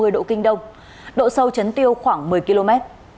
một trăm linh tám hai trăm năm mươi độ kinh đông độ sâu chấn tiêu khoảng một mươi km